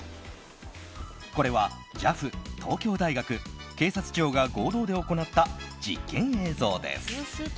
これはＪＡＦ、東京大学警察庁が合同で行った実験映像です。